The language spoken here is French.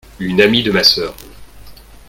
Une amie de ma sœur.